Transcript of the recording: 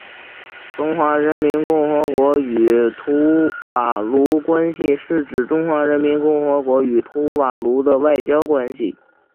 中华人民共和国与图瓦卢关系是指中华人民共和国与图瓦卢的外交关系。